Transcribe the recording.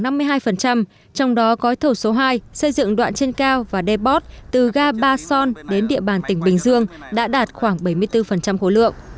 trong đó gói thầu số hai xây dựng đoạn trên cao và debot từ ga ba son đến địa bàn tỉnh bình dương đã đạt khoảng bảy mươi bốn khối lượng